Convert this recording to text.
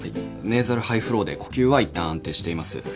ネーザルハイフローで呼吸はいったん安定しています。